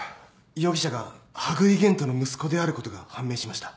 容疑者が羽喰玄斗の息子であることが判明しました。